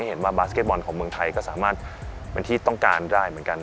เห็นว่าบาสเก็ตบอลของเมืองไทยก็สามารถเป็นที่ต้องการได้เหมือนกัน